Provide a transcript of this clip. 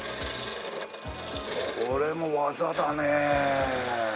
これも技だねえ。